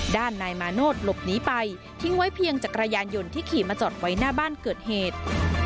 ด้านนายมาโนธหลบหนีไปทิ้งไว้เพียงจักรยานยนต์ที่ขี่มาจอดไว้หน้าบ้านเกิดเหตุ